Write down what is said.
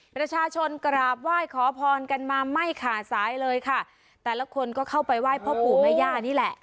ประชาชนกราบไหว้ขอพรกันมาไม่ขาดสายเลยค่ะแต่ละคนก็เข้าไปไหว้พ่อปู่แม่ย่านี่แหละ